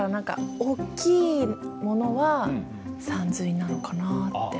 大きいものはさんずいなのかなぁって。